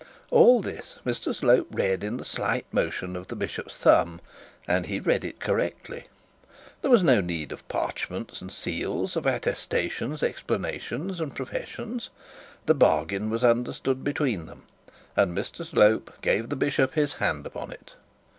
All this Mr Slope read in the slight motion of the bishop's thumb, and he read it correctly. There was no need of parchments and seals, of attestations, explanations, and professions. The bargain was understood between them, and Mr Slope gave the bishop his hand upon it.